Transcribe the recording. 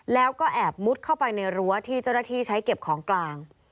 แล้วก็แอบมุดเข้าไปในรั้วที่เจ้าหน้าที่ใช้เก็บของกลาง